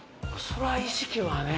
そら意識はね。